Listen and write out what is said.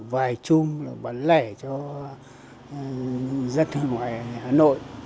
vài chung là bán lẻ cho dân ngoài hà nội